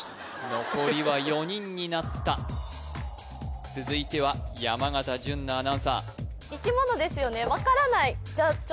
残りは４人になった続いては山形純菜アナウンサー生き物ですよね分からない